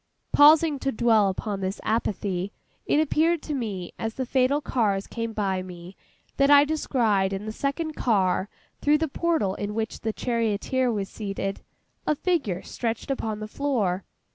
Pausing to dwell upon this apathy, it appeared to me, as the fatal cars came by me, that I descried in the second car, through the portal in which the charioteer was seated, a figure stretched upon the floor.